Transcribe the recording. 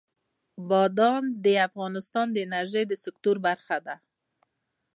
بادام د افغانستان د انرژۍ سکتور برخه ده.